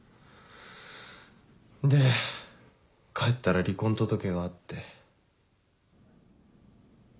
で帰ったら離婚届があって。